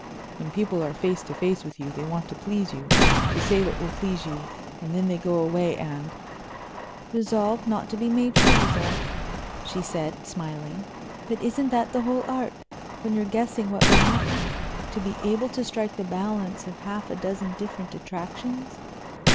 When people are face to face with you, they want to please you, to say what will please you, and then they go away, and " "Resolve not to be made fools of?" she said, smiling. "But isn't that the whole art when you're guessing what will happen to be able to strike the balance of half a dozen different attractions?"